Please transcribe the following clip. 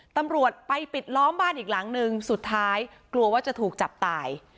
ตำรวจไปปิดล้อมบ้านอีกหลังนึงสุดท้ายกลัวว่าจะถูกจับตาย